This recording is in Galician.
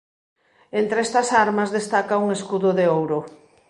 Entre estas armas destaca un escudo de ouro.